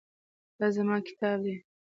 دا زما کتاب دی